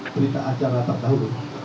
berita acara terdahulu